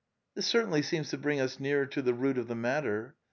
This certainly seems to bring us nearer to the root of the matter.